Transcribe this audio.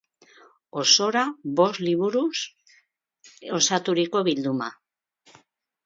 Osora bost liburuz osaturiko bilduma.